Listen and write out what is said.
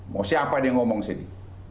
mau siapa dia ngomong sini